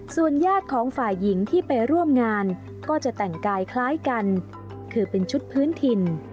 ส่วนญาติของฝ่ายหญิงที่ไปร่วมงานก็จะแต่งกายคล้ายกันคือเป็นชุดพื้นถิ่น